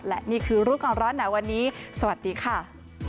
และนี่คือรู้ก่อนร้อนหนาวันนี้สวัสดีค่ะ